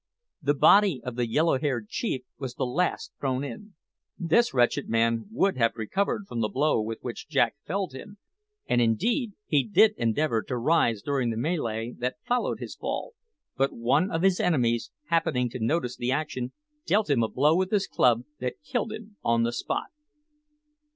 The body of the yellow haired chief was the last thrown in. This wretched man would have recovered from the blow with which Jack felled him, and indeed he did endeavour to rise during the melee that followed his fall; but one of his enemies, happening to notice the action, dealt him a blow with his club that killed him on the spot.